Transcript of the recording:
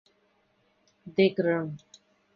De gr